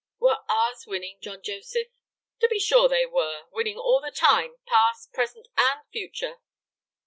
"Were ours winning, John Joseph?" "To be sure they were. Winning all the time, past, present, and future."